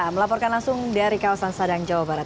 melaporkan langsung dari kawasan sadang jawa barat